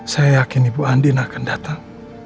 saya yakin ibu andin akan datang